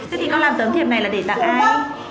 vậy thì con làm tấm thiệp này là để tặng ai